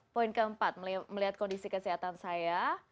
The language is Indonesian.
poin keempat melihat kondisi kesehatan saya